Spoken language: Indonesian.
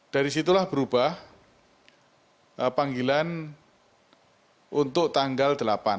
dari situlah berubah panggilan untuk tanggal delapan